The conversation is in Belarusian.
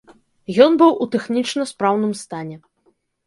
Ён быў у тэхнічна спраўным стане.